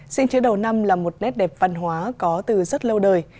xin chứa đầu năm là một nét đẹp văn hóa có từ rất lâu đời